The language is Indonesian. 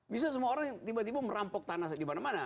bisa semua orang yang tiba tiba merampok tanah di mana mana